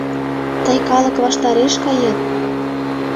Тый калык ваштареш кает!